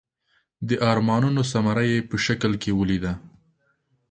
د ارمانونو ثمره یې په شکل کې ولیده.